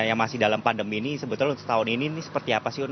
yang masih dalam pandemi ini sebetulnya setahun ini seperti apa sih un